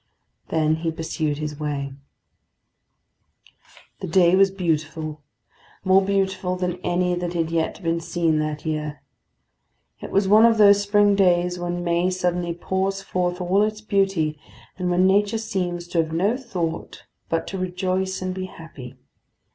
Then he pursued his way. The day was beautiful; more beautiful than any that had yet been seen that year. It was one of those spring days when May suddenly pours forth all its beauty, and when nature seems to have no thought but to rejoice and be happy.